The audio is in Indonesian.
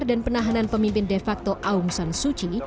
dan penahanan pemimpin de facto aung san suu kyi